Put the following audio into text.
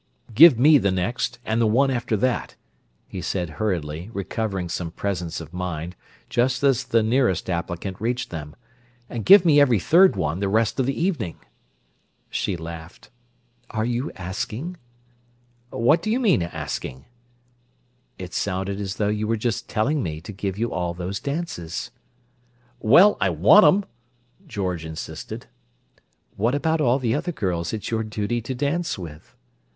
"Give me the next and the one after that," he said hurriedly, recovering some presence of mind, just as the nearest applicant reached them. "And give me every third one the rest of the evening." She laughed. "Are you asking?" "What do you mean, 'asking'?" "It sounded as though you were just telling me to give you all those dances." "Well, I want 'em!" George insisted. "What about all the other girls it's your duty to dance with?"